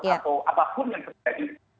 atau apapun yang terjadi